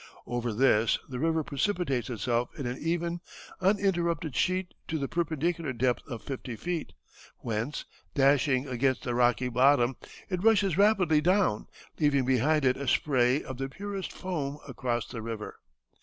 Over this the river precipitates itself in an even, uninterrupted sheet to the perpendicular depth of fifty feet, whence, dashing against the rocky bottom, it rushes rapidly down, leaving behind it a spray of the purest foam across the river.